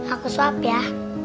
aku suap ya